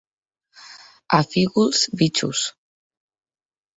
A Fígols, bitxos.